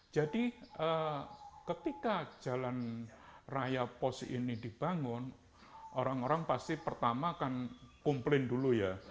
jadi ketika jalan raya pols ini dibangun orang orang pasti pertama akan kumpulin dulu ya